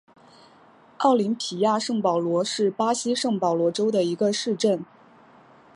奥林匹亚圣保罗是巴西圣保罗州的一个市镇。